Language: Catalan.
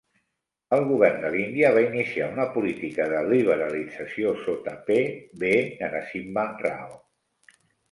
El govern de l'Índia va iniciar una política de liberalització sota P. V. Narasimha Rao.